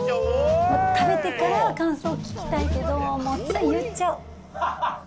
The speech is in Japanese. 食べてから関そう聞きたいけど、もう、つい言っちゃう。